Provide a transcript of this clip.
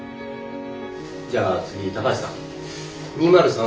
じゃあ次高橋さん。